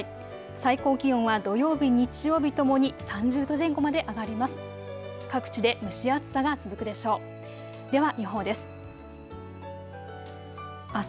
最高気温は土曜日、日曜日ともに３０度前後まで上がります。